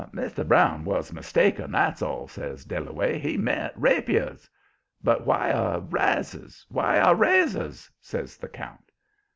"Mr. Brown was mistaken, that's all," says Dillaway; "he meant rapiers." "But why a razors why a razors?" says the count.